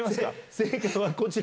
正解はこちら。